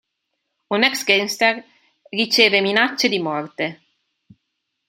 Un ex gangster riceve minacce di morte.